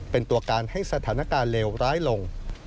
เป็นตัวการให้สถานการณ์เลวร้ายลง